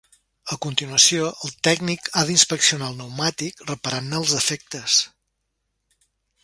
A continuació, el tècnic ha d'inspeccionar el pneumàtic, reparant-ne els defectes.